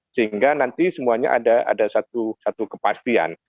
sehingga nanti semuanya ada satu kepastian